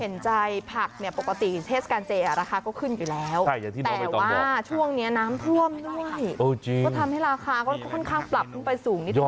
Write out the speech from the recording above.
เห็นใจผักเนี่ยปกติเทศกาลเจราคาก็ขึ้นอยู่แล้วแต่ว่าช่วงนี้น้ำท่วมง่ายก็ทำให้ราคาก็ค่อนข้างปรับขึ้นไปสูงนิดนึ